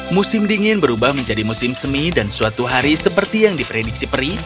musim dingin berubah menjadi musim semi dan suatu hari seperti yang diprediksi peri